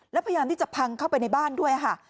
แล้วพยายามที่จะพังเข้าไปในบ้านด้วยค่ะ